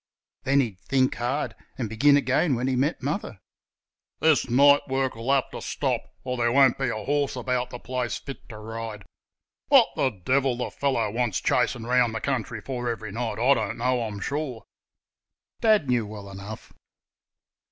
Then he'd think hard, and begin again when he met Mother. "This night work'll have t' stop, or there won't be a horse about the place fit t' ride. What the devil the fellow wants chasing round the country for every night I don't know, I'm sure." (Dad knew well enough.)